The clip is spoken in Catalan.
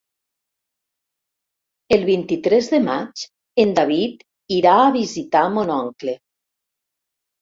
El vint-i-tres de maig en David irà a visitar mon oncle.